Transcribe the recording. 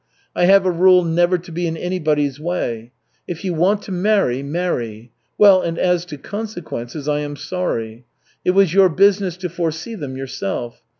I have a rule never to be in anybody's way. If you want to marry marry! Well, and as to consequences I am sorry. It was your business to foresee them yourself.